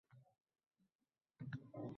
Aksiya gʻolibi kim boʻladi?